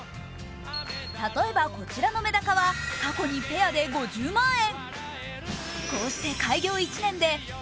例えばこちらのめだかは過去にペアで５０万円。